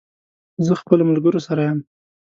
زه خپلو ملګرو سره یم